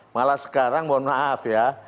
malah sekarang mohon maaf ya